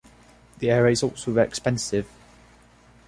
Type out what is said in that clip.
The area is also very expensive.